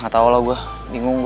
gatau lah gue bingung gue